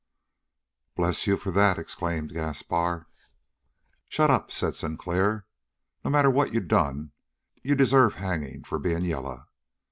"Bless you for that!" exclaimed Gaspar. "Shut up!" said Sinclair. "No matter what you done, you deserve hangin' for being yaller.